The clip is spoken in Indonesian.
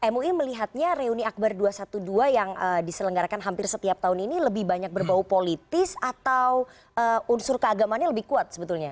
mui melihatnya reuni akbar dua ratus dua belas yang diselenggarakan hampir setiap tahun ini lebih banyak berbau politis atau unsur keagamaannya lebih kuat sebetulnya